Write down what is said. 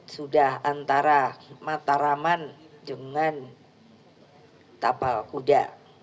sudah antara mataraman dengan tapal kuda